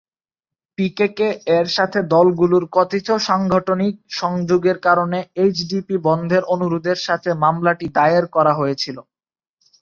পিকেকে- এর সাথে দলগুলোর কথিত সাংগঠনিক সংযোগের কারণে এইচডিপি বন্ধের অনুরোধের সাথে মামলাটি দায়ের করা হয়েছিল।